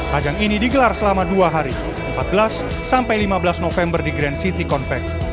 ajang ini digelar selama dua hari empat belas sampai lima belas november di grand city convect